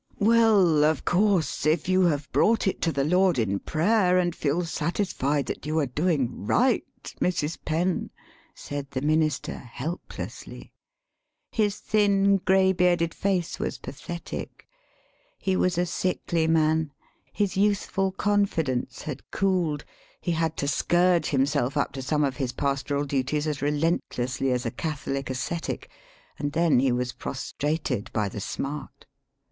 "Well, of course, if you have brought it to the Lord in prayer, and feel satisfied that you are doing right, Mrs. Penn," [said the minister, helplessly. His thin, gray bearded face was pathetic. He was a sickly man; his youthful confidence had cooled; he had to scourge him self up to some of his pastoral duties as relent lessly as a Catholic ascetic, and then he was prostrated by the smart].